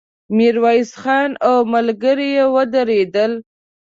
ميرويس خان او ملګري يې ودرېدل.